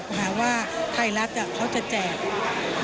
หาว่าไทยรัฐเขาจะแจก